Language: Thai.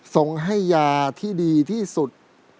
ส่งให้ยาที่ดีที่สุด